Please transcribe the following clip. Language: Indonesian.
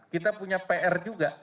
kita punya pr juga